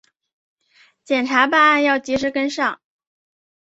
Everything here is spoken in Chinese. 检察办案要及时跟上